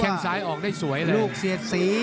แค่งซ้ายออกได้สวยเลย